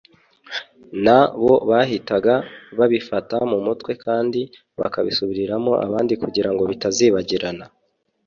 na bo bahitaga babifata mu mutwe kandi bakabisubiriramo abandi kugira ngo bitazibagirana.